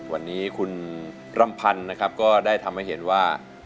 วันนี้คุณรำพันธ์นะครับก็ได้ทำให้เห็นว่า